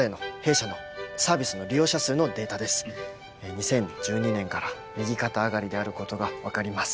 ２０１２年から右肩上がりであることが分かります。